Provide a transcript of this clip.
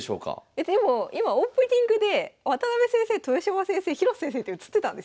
えでも今オープニングで渡辺先生豊島先生広瀬先生って映ってたんですよ。